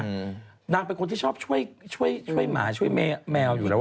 อืมนางเป็นคนที่ชอบช่วยช่วยหมาช่วยแมวแมวอยู่แล้ว